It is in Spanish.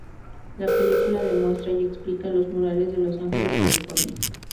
La película demuestra y explica los murales de Los Ángeles, California.